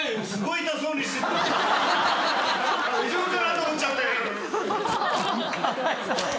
大丈夫かなと思っちゃって。